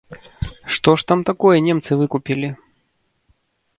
Што ж там такое немцы выкупілі?